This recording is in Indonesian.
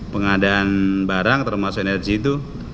pengadaan barang termasuk energi itu